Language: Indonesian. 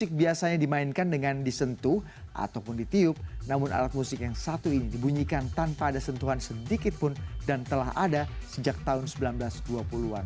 musik biasanya dimainkan dengan disentuh ataupun ditiup namun alat musik yang satu ini dibunyikan tanpa ada sentuhan sedikit pun dan telah ada sejak tahun seribu sembilan ratus dua puluh an